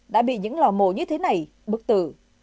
đã bị những lò mổ như thế này bức tử